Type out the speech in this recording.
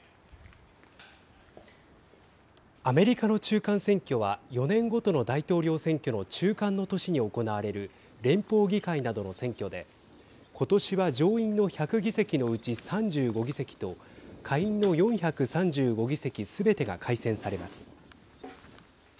アメリカの中間選挙は４年ごとの大統領選挙の中間の年に行われる連邦議会などの選挙で今年は上院の１００議席のうち３５議席と下院の４３５議席すべてが改選されます。